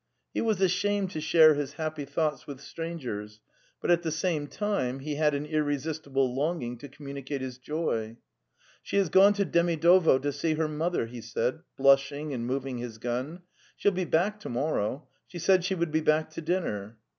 He was ashamed to share his happy thoughts with strangers, but at the same time he had an irresistible longing to communicate his joy. 'She has gone to Demidovo to see her mother," he said, blushing and moving his gun. " She'll be back to morrow. ... She said she would be back to dinner."